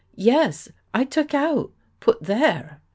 " Yes, I took out. Put there."